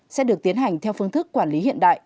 sẽ được tiến hành theo phương thức quản lý hiện đại